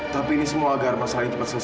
tapi ini semua agar masa lain di satu saatnya